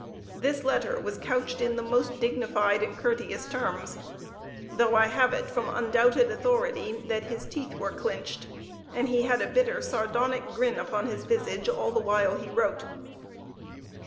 This letter was couched in the most dignified and courteous terms, though I have it from undoubted authority that his teeth were clinched, and he had a bitter sardonic grin upon his visage all the while he wrote.